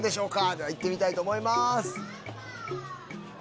では行ってみたいと思います。